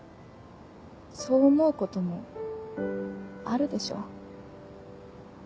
そう思うこともあるでしょ。